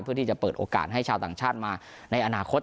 เพื่อที่จะเปิดโอกาสให้ชาวต่างชาติมาในอนาคต